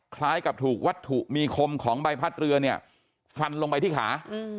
คล้ายกับถูกวัตถุมีคมของใบพัดเรือเนี่ยฟันลงไปที่ขา